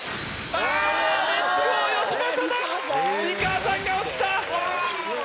⁉美川さんが落ちた！